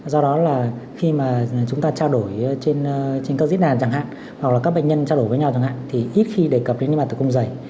do đó là khi mà chúng ta trao đổi trên cơ diễn đàn chẳng hạn hoặc là các bệnh nhân trao đổi với nhau chẳng hạn thì ít khi đề cập đến những bài tử cung dày